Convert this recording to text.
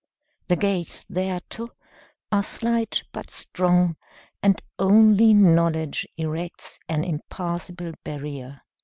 The gates thereto are slight but strong, and only knowledge erects an impassable barrier.